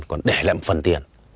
còn để lại một phần tiền